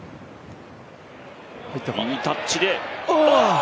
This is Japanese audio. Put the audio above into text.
いいタッチで。